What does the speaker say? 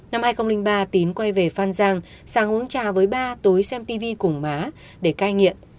năm hai nghìn ba tín quay về phan giang sáng uống trà với ba túi xem tv cùng má để cai nghiện